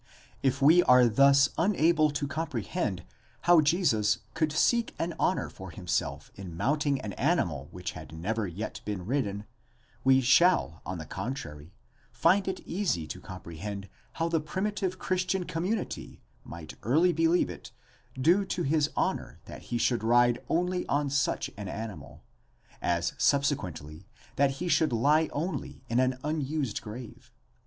1° If we are thus unable to comprehend how Jesus could seek an honour for himself in mount ing an animal which had never yet been ridden; we shall, on the contrary, find it easy to comprehend how the primitive Christian community might early believe it due to his honour that he should ride only on such an animal, as subsequently that he should lie only in an unused grave.